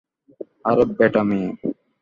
আরে ব্যাটা মেয়ে।